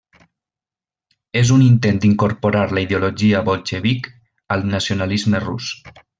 És un intent d'incorporar la ideologia bolxevic al nacionalisme rus.